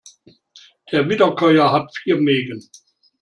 Der Wiederkäuer hat vier Mägen.